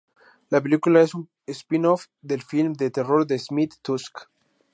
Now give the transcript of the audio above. La película es un spin-off del film de terror de Smith "Tusk".